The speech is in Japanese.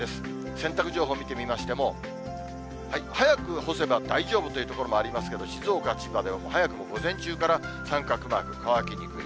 洗濯情報見てみましても、早く干せば大丈夫という所もありますけども、静岡、千葉では、早くも午前中から三角マーク、乾きにくい。